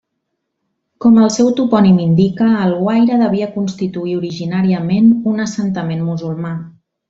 Com el seu topònim indica, Alguaire devia constituir originàriament un assentament musulmà.